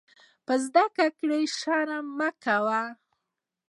په زده کړه شرم مه کوۀ.